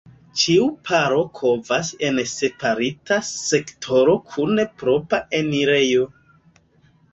Ĉiu paro kovas en separita sektoro kun propra enirejo.